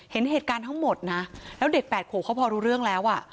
เห็นเหตุการณ์ทั้งหมดนะแล้วเด็ก๘ขวบเขาพอรู้เรื่องแล้วอ่ะ